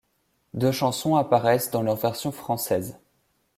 Deux chansons apparaissent dans leur version française.